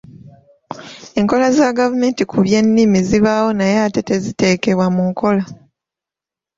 Enkola za gavumenti ku by'ennimi zibaawo naye ate teziteekebwa mu nkola.